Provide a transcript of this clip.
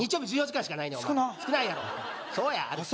１４時間しかないねん少ないやろそうやあれ